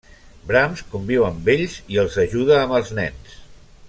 Brahms conviu amb ells i els ajuda amb els nens.